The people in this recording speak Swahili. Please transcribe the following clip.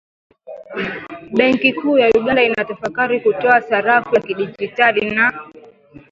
Benki kuu ya Uganda inatafakari kutoa sarafu ya kidigitali na